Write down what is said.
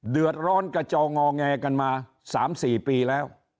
เดือดร้อนกระจองงอแงกันมา๓๔ปีแล้ว